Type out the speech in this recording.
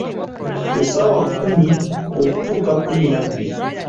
Essaawa kkumi okutuuka kkumi na bbiri.